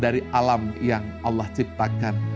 dari alam yang allah ciptakan